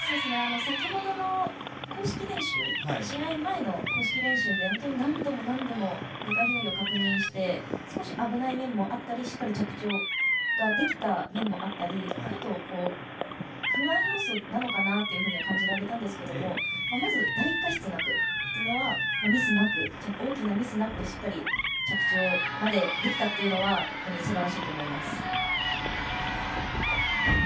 先程の試合前の公式練習で何度も何度も２回ひねりを確認して少し危ない面もあったりしっかり着地ができた面もあったりちょっと、不安要素なのかなと感じられたんですけどまず大過失なく、大きなミスなくしっかり着地までできたというのはすばらしいと思います。